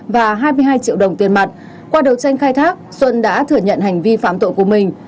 và hai mươi hai triệu đồng tiền mặt qua đầu tranh khai thác xuân đã thừa nhận hành vi phạm tội của mình